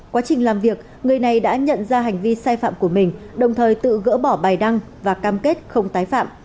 quá trình làm việc người này đã nhận ra hành vi sai phạm của mình đồng thời tự gỡ bỏ bài đăng và cam kết không tái phạm